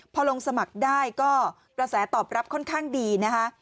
พอลงสมัครได้ก็ภักษณ์ตอบรับค่อนข้างดี